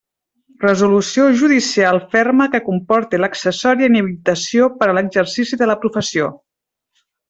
Resolució judicial ferma que comporti l'accessòria inhabilitació per a l'exercici de la professió.